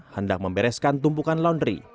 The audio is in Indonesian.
hendak membereskan tumpukan laundry